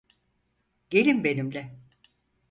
Gelin benimle.